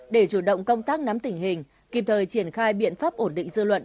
để chủ động công tác nắm tình hình kịp thời triển khai biện pháp ổn định dư luận